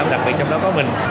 đặc biệt trong đó có mình